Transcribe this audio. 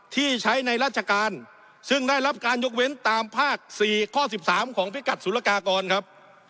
ที่ใช้ในราชการซึ่งได้รับการยกเว้นตามภาค๔ข้อ๑๓ของพิกัดศูนยากากรครับ